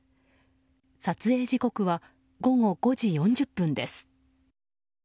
撮影時刻は午後５時４０分です。